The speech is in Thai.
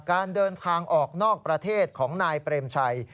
การเดินทางออกนอกประเทศของนายเปรมชัย